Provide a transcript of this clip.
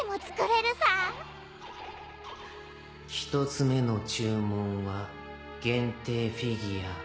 １つ目の注文は限定フィギュア。